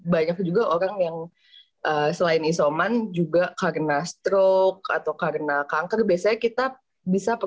banyak juga orang yang selain isoman juga karena stroke atau karena kanker biasanya kita bisa